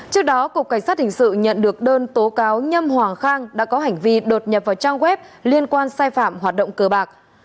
trước đó cục cảnh sát hình sự nhận được đơn tố cáo nhâm hoàng khang đã có hành vi đột nhập vào trang web liên quan sai phạm hoạt động cờ bạc